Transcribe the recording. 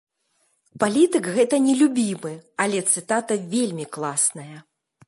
Палітык гэта не любімы, але цытата вельмі класная.